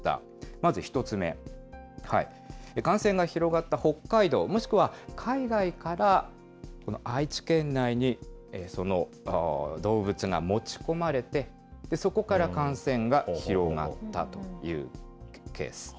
まず１つ目、感染が広がった北海道、もしくは海外からこの愛知県内にその動物が持ち込まれて、そこから感染が広がったというケース。